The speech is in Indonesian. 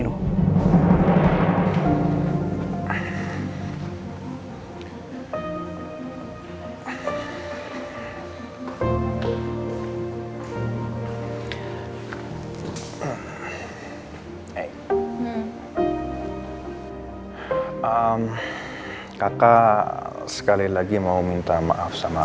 bukannya dia adiknya angga